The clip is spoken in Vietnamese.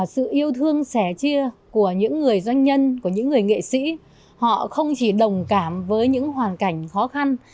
sự yêu thương sẻ chia của những người doanh nhân của những người nghệ sĩ họ không chỉ đồng cảm với những hoàn cảnh khó khăn